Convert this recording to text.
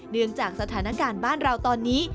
เนื่องจากสถานการณ์บ้านเราตอนนี้